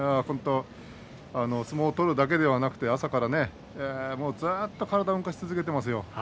相撲を取るだけではなくて朝からずっと体を動かし続けていますよ。